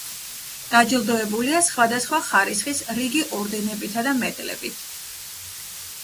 დაჯილდოებულია სხვადასხვა ხარისხის რიგი ორდენებითა და მედლებით.